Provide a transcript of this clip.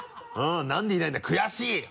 「なんでいないんだ？悔しい！」